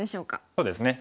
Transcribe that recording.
そうですね